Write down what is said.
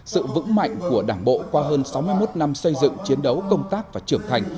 sự vững mạnh của đảng bộ qua hơn sáu mươi một năm xây dựng chiến đấu công tác và trưởng thành